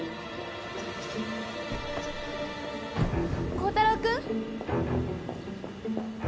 ・光太郎君。